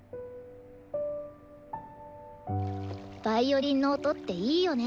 ヴァイオリンの音っていいよね。